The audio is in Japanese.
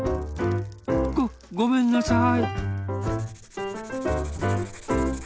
ごごめんなさい。